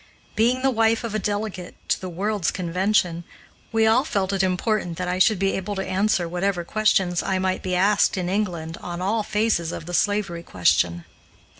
Being the wife of a delegate to the World's Convention, we all felt it important that I should be able to answer whatever questions I might be asked in England on all phases of the slavery question.